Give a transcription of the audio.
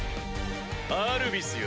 アルビスよ